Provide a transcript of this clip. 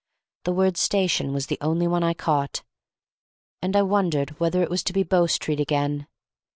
The word "station" was the only one I caught, and I wondered whether it was to be Bow Street again.